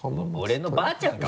俺のばあちゃんか！